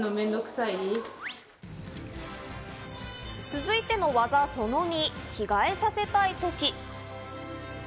続いての技、その２、着替えさせたいとき。